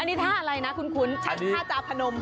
อันนี้ท่าอะไรนะคุ้นท่าจาพนม